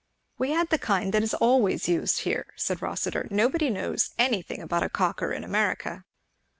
"We had the kind that is always used here," said Rossitur; "nobody knows anything about a Cocker in America."